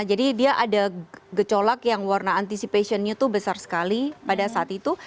jadi dia ada gecolak yang warna anticipationnya itu besar sekali pada saat itu